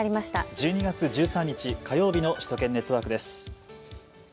１２月１３日火曜日の首都圏ネットワークです。